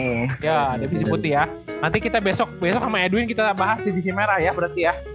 ya ada visi putih ya nanti kita besok besok sama edwin kita bahas divisi merah ya berarti ya